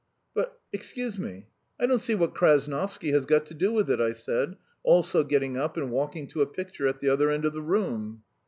"But, excuse me, I don't see what Krasnovsky has got to do with it," I said, also getting up and walking to a picture at the other end of the room.